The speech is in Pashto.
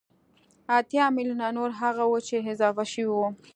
اتيا ميليونه نور هغه وو چې اضافه شوي وو